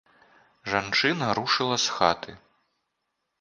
Жанчына рушыла з хаты.